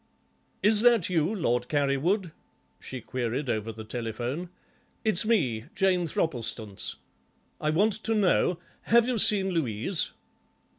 "Is that you, Lord Carrywood?" she queried over the telephone; "it's me, Jane Thropplestance. I want to know, have you seen Louise?"